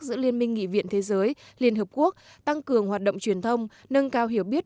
giữa liên minh nghị viện thế giới liên hợp quốc tăng cường hoạt động truyền thông nâng cao hiểu biết